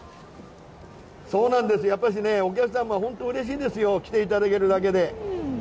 そうなんです、お客さん、本当にうれしいんですよ、来ていただけるだけで。